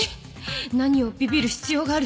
何をビビる必要がある